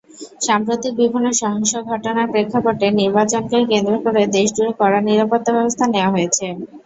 সাম্প্রতিক বিভিন্ন সহিংস ঘটনার প্রেক্ষাপটে নির্বাচনকে কেন্দ্র করে দেশজুড়ে কড়া নিরাপত্তাব্যবস্থা নেওয়া হয়েছে।